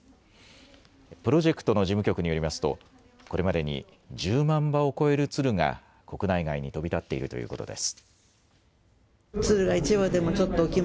プロジェクトの事務局によりますと、これまでに１０万羽を超える鶴が、国内外に飛び立っているということです。